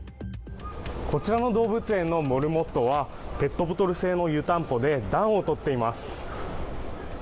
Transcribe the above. こちらの動物園のモルモットはペットボトル製の湯たんぽで暖をとっています。